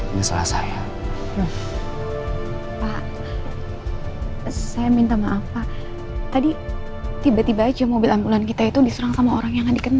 masalah saya pak saya minta maaf pak tadi tiba tiba aja mobil ambulan kita itu diserang sama orang yang dikenal